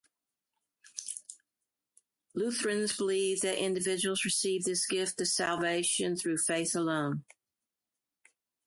Lutherans believe that individuals receive this gift of salvation through faith alone.